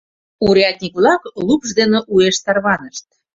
Урядник-влак лупш дене уэш тарванышт.